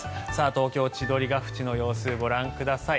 東京・千鳥ヶ淵の様子ご覧ください。